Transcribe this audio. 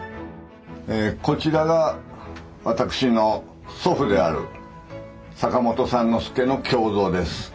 こちらが私の祖父である坂本之助の胸像です。